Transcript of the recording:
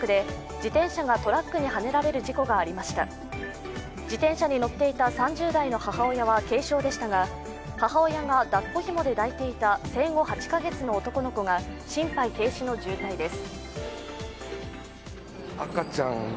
自転車に乗っていた３０代の母親は軽傷でしたが母親が抱っこひもで抱いていた生後８カ月の男の子が心肺停止の重体です。